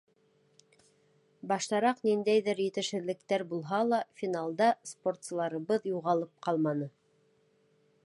Баштараҡ ниндәйҙер етешһеҙлектәр булһа ла, финалда спортсыларыбыҙ юғалып ҡалманы.